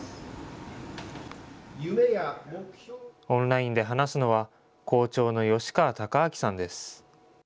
オンラインで話すのは、校長の吉川孝昭さんです。